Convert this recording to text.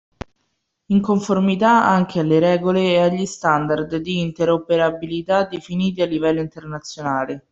In conformità anche alle regole e agli standard di interoperabilità definiti a livello internazionale.